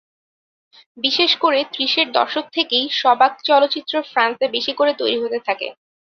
বিশেষ করে ত্রিশের দশক থেকেই সবাক চলচ্চিত্র ফ্রান্সে বেশি তৈরি হতে থাকে।